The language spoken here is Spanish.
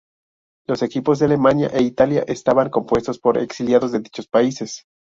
Los equipos de Alemania e Italia estaban compuestos por exiliados de dichos países.